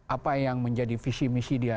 apa yang menjadi visi misi dia